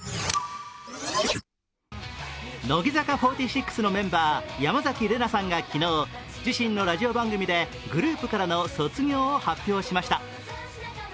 乃木坂４６のメンバー山崎怜奈さんが昨日、自身のラジオ番組でグループからの卒業を発表しました。